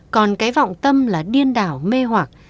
còn cái vọng tâm là điên đảo mê hoạc